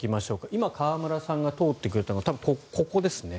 今、河村さんが通ってくれたのが多分、ここですね。